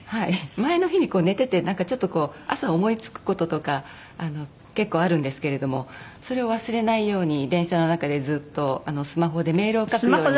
前の日にこう寝ててなんかちょっとこう朝思い付く事とか結構あるんですけれどもそれを忘れないように電車の中でずっとスマホでメールを書くように。